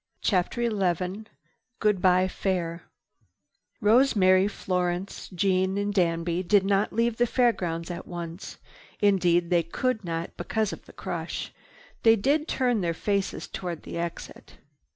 CHAPTER XI GOODBYE FAIR Rosemary, Florence, Jeanne and Danby did not leave the Fair grounds at once. Indeed they could not because of the crush. They did turn their faces toward the exit.